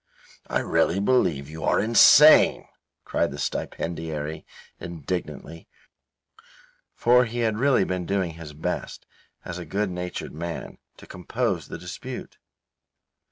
"I really believe you are insane," said the stipendiary, indignantly, for he had really been doing his best as a good natured man, to compose the dispute.